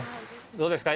どうですか？